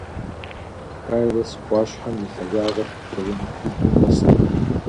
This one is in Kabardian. Кайлас ӏуащхьэм и лъагагъыр километриблым нэскъым.